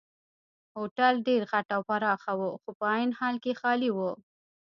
هوټل ډېر غټ او پراخه وو خو په عین حال کې خالي وو.